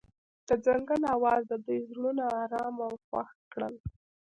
د ځنګل اواز د دوی زړونه ارامه او خوښ کړل.